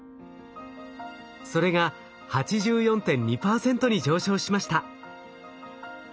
それが８４．２％に上昇しました。